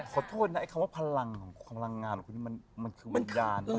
ขอโทษนะไอ้คำว่าพลังของพลังงานของคุณนี่มันคือวิญญาณ